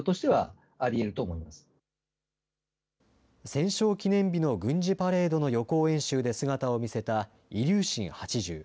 戦勝記念日の軍事パレードの予行演習で姿を見せたイリューシン８０。